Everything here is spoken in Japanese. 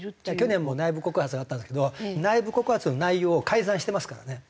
去年も内部告発があったんですけど内部告発の内容を改ざんしてますからね。